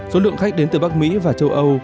số lượng khách đến từ bắc mỹ và châu âu